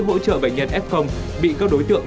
hỗ trợ bệnh nhân f bị các đối tượng